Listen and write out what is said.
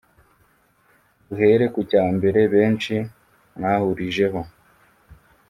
Duhere ku cya mbere benshi mwahurijeho